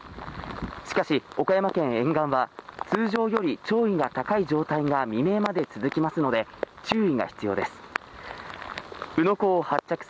しかし、岡山県沿岸は通常より潮位が高い状態が未明まで続きますので注意が必要です。